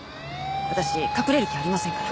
私隠れる気ありませんから。